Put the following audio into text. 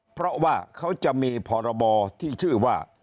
เพราะว่าเขาจะมีพรบที่ชื่อว่า